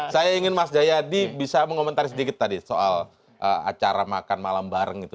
saya ingin mas jayadi bisa mengomentari sedikit tadi soal acara makan malam bareng itu